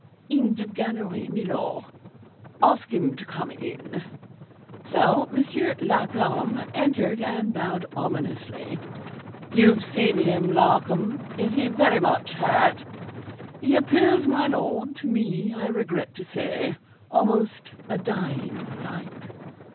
'In the gallery, mi lor.' 'Ask him to come in.' So Monsieur Larcom entered, and bowed ominously. 'You've seen him, Larcom. Is he very much hurt?' 'He appears, my lord, to me, I regret to say, almost a dying like.'